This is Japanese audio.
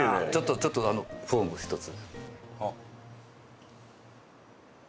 ちょっとフォームを１つ。